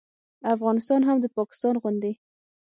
افغانستان هم د پاکستان غوندې